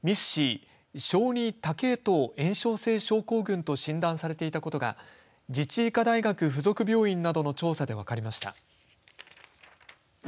小児多系統炎症性症候群と診断されていたことが自治医科大学附属病院などの調査で分かりました。